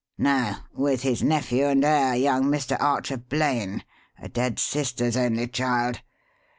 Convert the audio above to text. "No. With his nephew and heir, young Mr. Archer Blaine, a dead sister's only child.